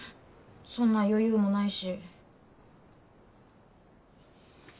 そんな余裕もないし。